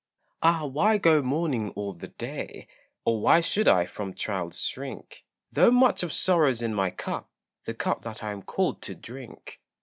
Ah why go mourning all the day, Or why should I from trials shrink? Though much of sorrow's in my cup, The cup that I am called to drink.